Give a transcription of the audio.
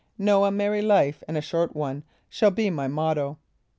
No, a merry life and a short one, shall be my motto!"